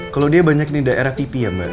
kalau dia banyak nih daerah pipi ya mbak